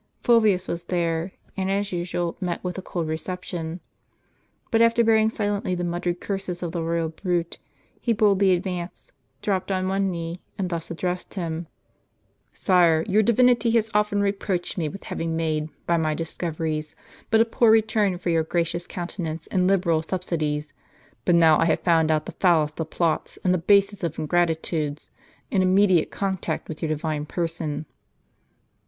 Fulvius was there, and, as usual, met with a cold reception. But after bearing silently the muttered curses of the royal brute, he boldly advanced, dropped on one knee, and thus addressed him :" Sire, your divinity has often reproached me with having made, by my discoveries, but a poor return for your gracious countenance and liberal subsidies. But now I have found out the foulest of plots, and the basest of ingratitudes, in imme diate contact with your divine person."